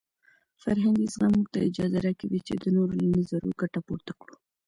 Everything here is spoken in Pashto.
فرهنګي زغم موږ ته اجازه راکوي چې د نورو له نظرونو ګټه پورته کړو.